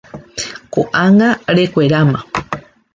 Ko'ág̃a rekueráma.